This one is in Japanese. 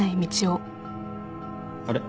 あれ？